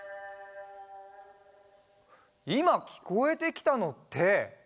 いまきこえてきたのって。